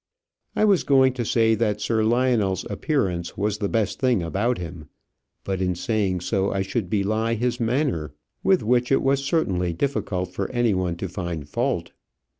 I was going to say that Sir Lionel's appearance was the best thing about him; but in saying so I should belie his manner, with which it was certainly difficult for any one to find fault.